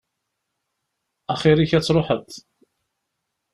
Axir-k ad tṛuḥeḍ.